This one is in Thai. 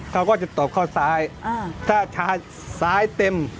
เขาก็จะตบเข้าซ้ายถ้าช้าซ้ายเต็ม